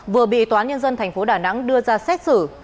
vừa bị tòa nhân dân tp đà nẵng đưa ra xét xử